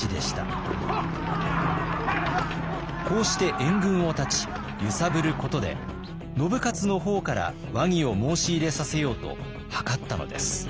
こうして援軍を断ち揺さぶることで信雄の方から和議を申し入れさせようと謀ったのです。